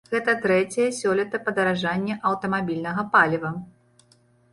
Гэта трэцяе сёлета падаражанне аўтамабільнага паліва.